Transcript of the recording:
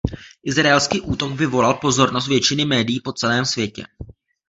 Izraelský útok vyvolal pozornost většiny médií po celém světě.